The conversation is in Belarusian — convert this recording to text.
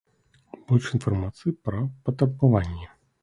Больш інфармацыі пра патрабаванні.